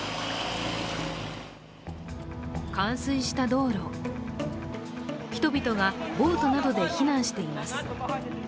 冠水した道路、人々がボートなどで避難しています。